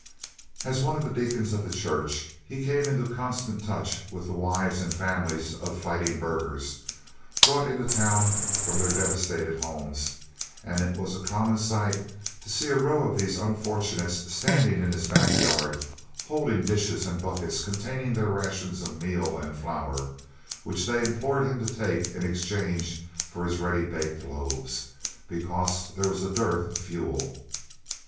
As one of the deacons of the church, he came into constant touch with the wives and families of fighting burghers, brought into town from their devastated homes, and it was a common sight to see a row of these unfortunates standing in his back yard, holding dishes and buckets containing their rations of meal and flour, which they implored him to take in exchange for his ready baked loaves, because there was a dearth of fuel.